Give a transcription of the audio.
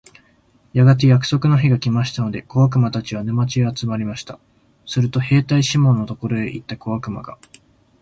やがて約束の日が来ましたので、小悪魔たちは、沼地へ集まりました。すると兵隊シモンのところへ行った小悪魔が、